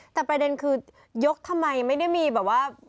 แต่ประเด็นคือยกทำไมไม่ได้มีแบบว่า